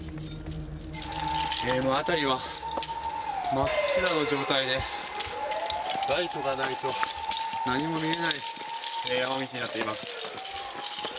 辺りは真っ暗の状態でライトがないと何も見えない山道になっています。